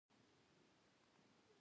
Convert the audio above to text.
ایا ستاسو پالنه به سمه نه وي؟